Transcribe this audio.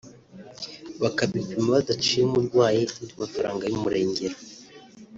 bakabipima badaciye umurwayi andi mafaranga y’umurengera